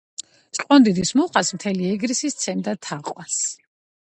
ჭყონდიდის მუხას მთელი ეგრისი სცემდა თაყვანს.